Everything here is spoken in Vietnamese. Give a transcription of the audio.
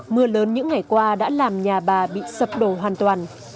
mưa lớn những ngày qua đã làm nhà bà bị sập đổ hoàn toàn